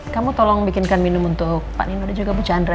kamu tolong bikinkan minum untuk pak nino dan juga bu chandra